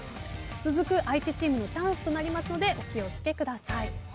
続く相手チームのチャンスとなりますのでお気を付けください。